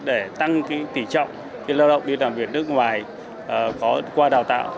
để tăng cái tỉ trọng cái lao động đi làm việc nước ngoài qua đào tạo